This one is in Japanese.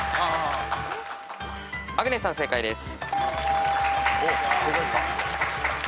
アグネスさん正解です。